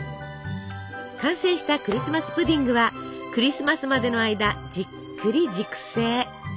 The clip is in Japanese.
完成したクリスマス・プディングはクリスマスまでの間じっくり熟成。